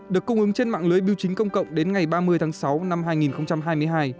được cung ứng trên mạng lưới biểu chính công cộng đến ngày ba mươi tháng sáu năm hai nghìn hai mươi hai